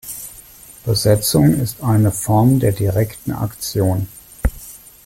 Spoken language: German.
Besetzung ist eine Form der Direkten Aktion.